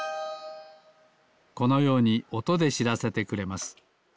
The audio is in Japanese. このようにおとでしらせてくれます。